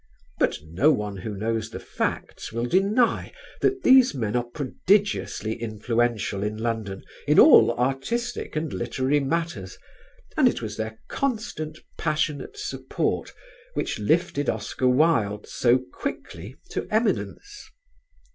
But no one who knows the facts will deny that these men are prodigiously influential in London in all artistic and literary matters, and it was their constant passionate support which lifted Oscar Wilde so quickly to eminence.